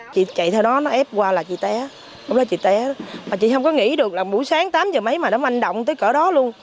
chị chạy theo đó nó ép qua là chị té lúc đó chị té mà chị không có nghĩ được là buổi sáng tám giờ mấy mà nó manh động tới cửa đó luôn